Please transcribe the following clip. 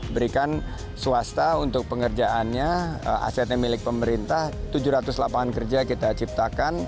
berikan swasta untuk pengerjaannya asetnya milik pemerintah tujuh ratus lapangan kerja kita ciptakan